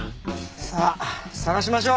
さあ捜しましょう！